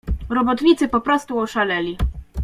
"Robotnicy poprostu oszaleli."